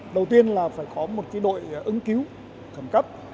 đầu tiên là phải có một đội ứng cứu thẩm cấp